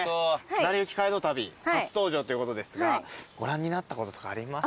『なりゆき街道旅』初登場ということですがご覧になったこととかありますか？